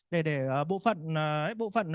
để bộ phận